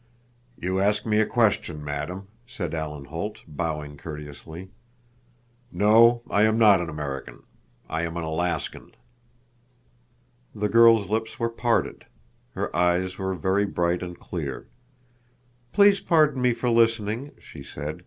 "You ask me a question, madam," said Alan Holt, bowing courteously. "No, I am not an American. I am an Alaskan." The girl's lips were parted. Her eyes were very bright and clear. "Please pardon me for listening," she said.